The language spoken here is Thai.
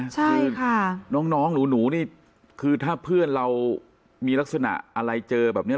คือน้องหนูนี่คือถ้าเพื่อนเรามีลักษณะอะไรเจอแบบนี้